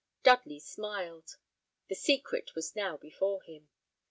Dudley smiled. The secret was now before him.